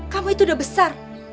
kamu itu udah besar